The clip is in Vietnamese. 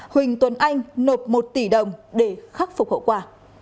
huỳnh tuấn anh nộp một tỷ đồng để khắc phục hậu quả